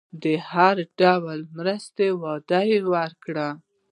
د هر ډول مرستو وعده ورکړي.